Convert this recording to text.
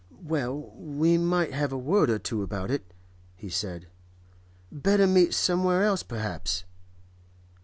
'Well, we might have a word or two about it,' he said. 'Better meet somewhere else, perhaps?